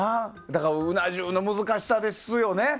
だから、うな重の難しさですよね。